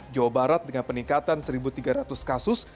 jawa barat dengan peningkatan satu tiga ratus kasus